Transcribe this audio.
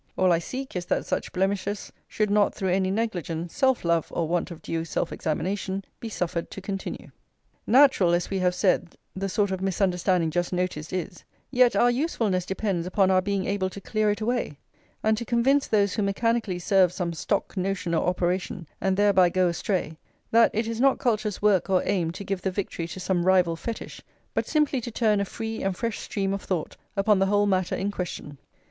All I seek is that such blemishes should not through any negligence, self love, or want of due self examination, be suffered to continue. Natural, as we have said, the sort of misunderstanding just noticed is; yet our usefulness depends upon our being able to clear it away, and to convince [xv] those who mechanically serve some stock notion or operation, and thereby go astray, that it is not culture's work or aim to give the victory to some rival fetish, but simply to turn a free and fresh stream of thought upon the whole matter in question.